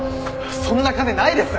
そんな金ないです！